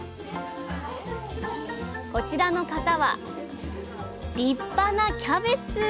こちらの方は立派なキャベツ！